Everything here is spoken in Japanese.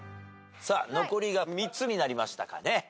残りが３つになりましたかね。